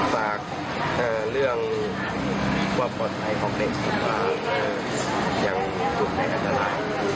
แต่เรื่องปลอดภัยของเด็กสุดละแบบอยังถูกในอันตราย